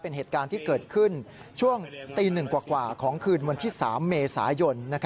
เป็นเหตุการณ์ที่เกิดขึ้นช่วงตี๑กว่าของคืนวันที่๓เมษายน